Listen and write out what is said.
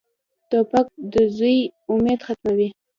توپک د زوی امید ختموي.